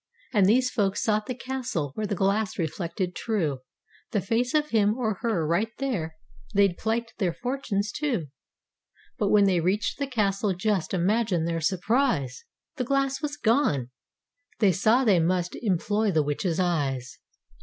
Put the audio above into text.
And these folks sought the castle where The glass reflected true The face of him or her right there, They'd plight their fortunes to. But when they reached the castle just Imagine their surprise! The glass was gone! They saw they must Employ the witches eyes.